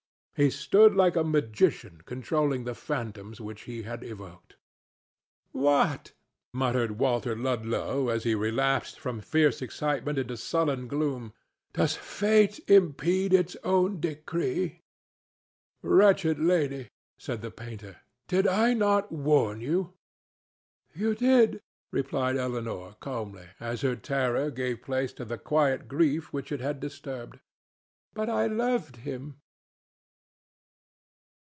He stood like a magician controlling the phantoms which he had evoked. "What!" muttered Walter Ludlow as he relapsed from fierce excitement into sullen gloom. "Does Fate impede its own decree?" "Wretched lady," said the painter, "did I not warn you?" "You did," replied Elinor, calmly, as her terror gave place to the quiet grief which it had disturbed. "But I loved him."